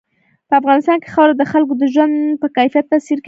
په افغانستان کې خاوره د خلکو د ژوند په کیفیت تاثیر کوي.